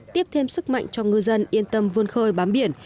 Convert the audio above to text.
tiếp thêm sức mạnh cho ngư dân yên tâm vươn khơi bám biển